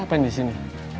apa yang di sini